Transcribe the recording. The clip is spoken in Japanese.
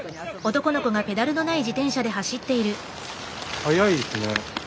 速いですね。